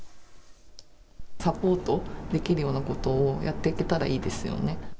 サポートできるようなことをやっていけたらいいですよね。